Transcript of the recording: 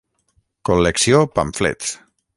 Col·lecció Pamflets.